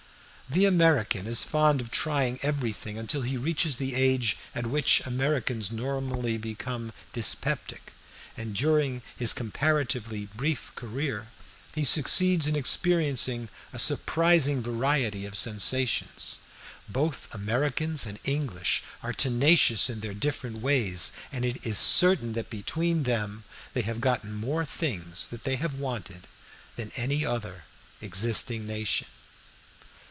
The American is fond of trying everything until he reaches the age at which Americans normally become dyspeptic, and during his comparatively brief career he succeeds in experiencing a surprising variety of sensations. Both Americans and English are tenacious in their different ways, and it is certain that between them they have gotten more things that they have wanted than any other existing nation.